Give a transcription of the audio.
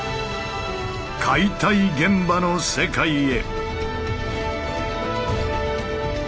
解体現場の世界へ！